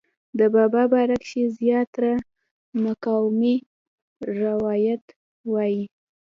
د بابا باره کښې زيات تره مقامي روايات وائي